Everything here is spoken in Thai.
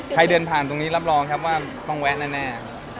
ใครเดินผ่านตรงนี้รับรองครับว่าต้องแวะแน่